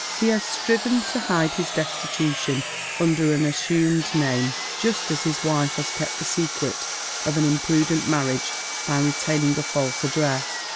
He has striven to hide his destitution under an assumed name, just as his wife has kept the secret of an imprudent maniage by retaining a false address.